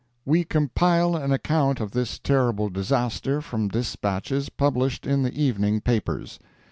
We compile an account of this terrible disaster from dispatches published in the evening papers.